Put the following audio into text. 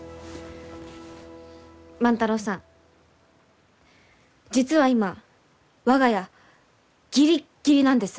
万太郎さん実は今我が家ギリッギリなんです。